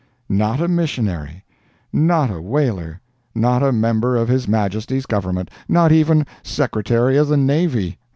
Not a missionary! not a whaler! not a member of his Majesty's Government! not even Secretary of the Navy!